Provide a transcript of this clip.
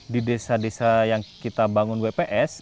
di desa desa yang kita bangun wps